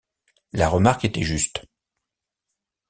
La remarque était juste.